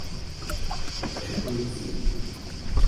Je to šokující!